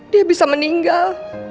dia bisa meninggal